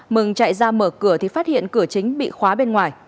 mừng chạy ra mở cửa thì phát hiện cửa chính bị khóa bên ngoài